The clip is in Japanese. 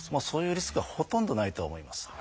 そういうリスクはほとんどないとは思います。